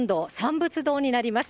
ぶつ堂になります。